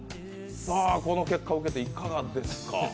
この結果を受けていかがですか。